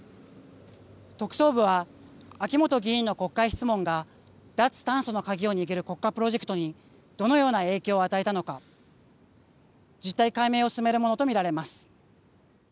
特捜部は秋本議員の国会質問が脱炭素の鍵を握る国家プロジェクトにどのような影響を与えたのか、事態解明を進めるものと見られます。